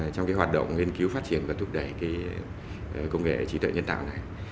trong hoạt động nghiên cứu phát triển và thúc đẩy công nghệ trí tuệ nhân tạo này